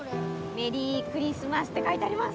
メリークリスマスって書いてあります。